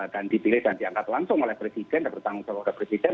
dan dipilih dan diangkat langsung oleh presiden dan bertanggung jawab oleh presiden